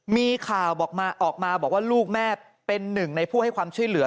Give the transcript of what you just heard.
มีข่าวออกมาออกมาบอกว่าลูกแม่เป็นหนึ่งในผู้ให้ความช่วยเหลือ